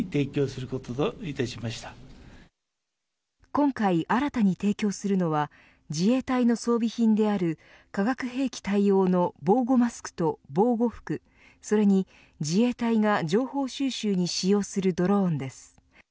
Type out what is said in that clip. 今回新たに提供するのは自衛隊の装備品である化学兵器対応の防護マスクと防護服、それに自衛隊が情報収集に使用するドローンです。